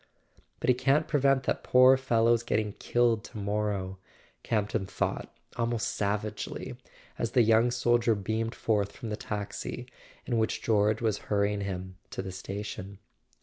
"But he can't prevent that poor fellow's getting killed to morrow," Campton thought almost savagely, as the young soldier beamed forth from the taxi in which George was hurrying him to the station.